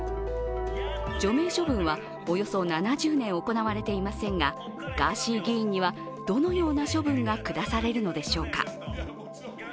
除名処分はおよそ７０年行われていませんがガーシー議員にはどのような処分が下されるのでしょうか。